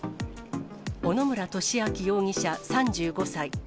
小野村俊明容疑者３５歳。